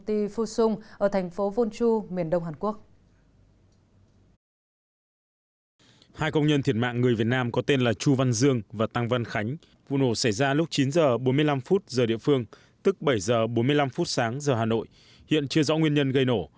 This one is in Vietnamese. từ chín h bốn mươi năm giờ địa phương tức bảy h bốn mươi năm sáng giờ hà nội hiện chưa rõ nguyên nhân gây nổ